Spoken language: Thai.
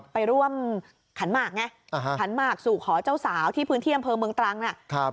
ไปร่วมขันหมากไงขันหมากสู่ขอเจ้าสาวที่พื้นที่อำเภอเมืองตรังน่ะ